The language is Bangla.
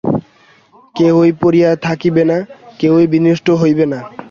কেহই পড়িয়া থাকিবে না, কেহই বিনষ্ট হইবে না।